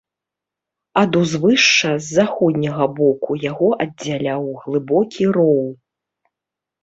Ад узвышша з заходняга боку яго аддзяляў глыбокі роў.